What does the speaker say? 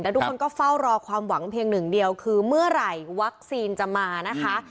ทุกคนก็เฝ้ารอความหวังเพียงหนึ่งเดียวคือเมื่อไหร่วัคซีนจะมานะคะ